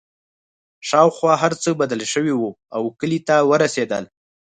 شاوخوا هرڅه بدل شوي وو او کلي ته ورسېدل